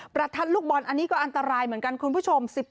ประทัดลูกบอลอันนี้ก็อันตรายเหมือนกันคุณผู้ชม